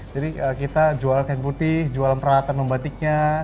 jadi kita jual kain putih jual peralatan membatiknya